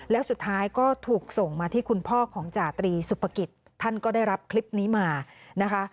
แล้วสุดท้ายก็ถูกส่งมาที่คุณพ่อของจาตรีสุภกิจท่านก็ได้รับคลิปนี้มานะคะ